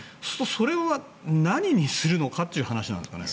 それを何にするのかという話なんですかね。